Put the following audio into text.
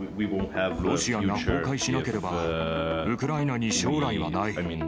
ロシアが崩壊しなければ、ウクライナに将来はない。